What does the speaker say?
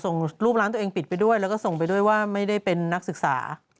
ส่งรูปร้านตัวเองปิดไปด้วยแล้วก็ส่งไปด้วยว่าไม่ได้เป็นนักศึกษา